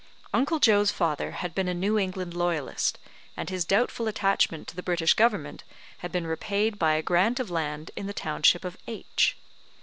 Uncle Joe's father had been a New England loyalist, and his doubtful attachment to the British government had been repaid by a grant of land in the township of H